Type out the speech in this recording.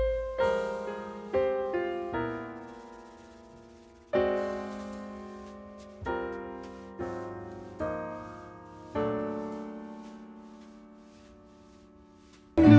andin aku tak perlu